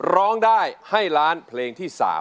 ร้องได้ให้ล้านเพลงที่๓